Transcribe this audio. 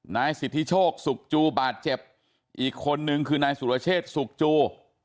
นายสิทธิโชคสุกจูบาดเจ็บอีกคนนึงคือนายสุรเชษสุกจู